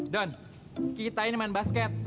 don kita ini main basket